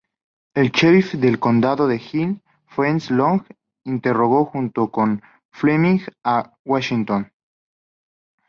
El sheriff del condado de Hill, Fred Long, interrogó junto con Fleming a Washington.